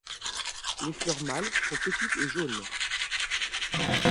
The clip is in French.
Les fleurs mâles sont petites et jaunes.